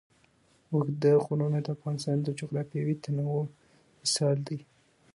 اوږده غرونه د افغانستان د جغرافیوي تنوع مثال دی.